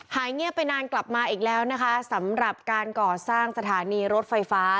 เงียบไปนานกลับมาอีกแล้วนะคะสำหรับการก่อสร้างสถานีรถไฟฟ้า